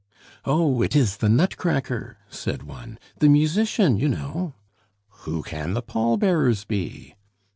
"Oh, it is the nutcracker!" said one, "the musician, you know " "Who can the pall bearers be?"